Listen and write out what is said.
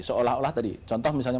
seolah olah tadi contoh misalnya